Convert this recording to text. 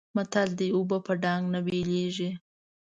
متل دی: اوبه په ډانګ نه بېلېږي.